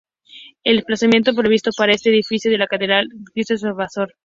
El emplazamiento previsto para este edificio era la Catedral de Cristo Salvador.